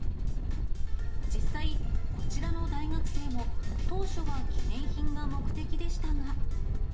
実際、こちらの大学生も、当初は記念品が目的でしたが。